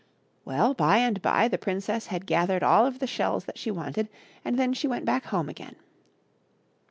Well, by and by the princess had gathered all of the shells that she wanted, and then she went back home again.